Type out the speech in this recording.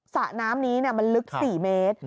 สระน้ำนี้มันลึก๔เมตร